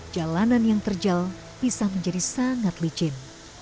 jalanan yang terjal bisa menjadi sangat licin